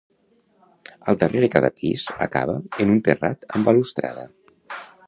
Al darrere cada pis acaba en un terrat amb balustrada.